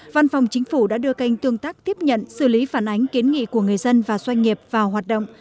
văn phòng chính phủ đã đưa canh tương tác tiếp nhận xử lý phản ánh kiến nghị của người dân và doanh nghiệp vào hoạt động